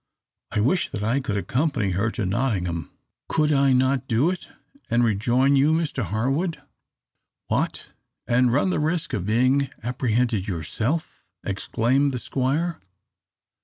I wish that I could accompany her to Nottingham. Could I not do it, and rejoin you, Mr Harwood?" "What, and run the risk of being apprehended yourself?" exclaimed the Squire.